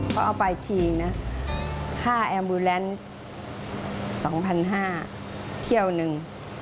เขาเอาไปทีนะค่าแอมบูแลนซ์๒๕๐๐เที่ยวหนึ่ง